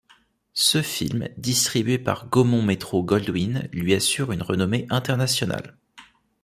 Ce film, distribué par Gaumont-Metro-Goldwyn lui assure une renommée internationale.